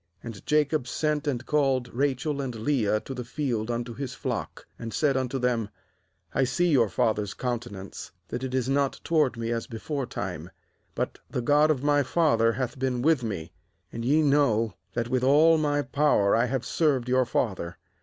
4And Jacob sent and called Rachel and "Leah to the field unto his flock, "and said unto them: 'I see your father's counte nance, that it is not toward me as be foretime; but the God of my father hath been with me. 6And ye know that with all my power I have served your father.